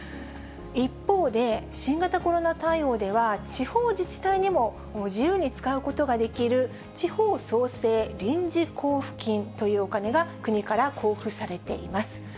一方で、新型コロナ対応では、地方自治体にも、自由に使うことができる、地方創生臨時交付金というお金が、国から交付されています。